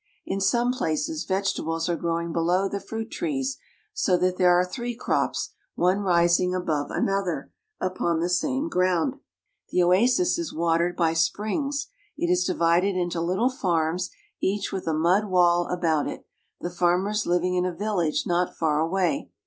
In some places vegetables are growing below the fruit trees, so that there are three crops, one rising above another, upon the same ground. The oasis is watered by springs; it is divided into little farms, each with a mud wall about it, the farmers living in "Biskra ilself is dellghltully green." a village not far away.